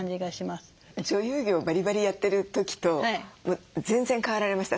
女優業バリバリやってる時と全然変わられました？